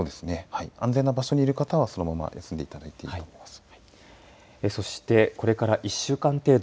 安全な場所にいる方はそのまま休んでいただいていいと思いますね。